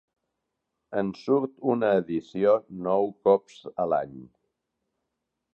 En surt una edició nou cops a l'any.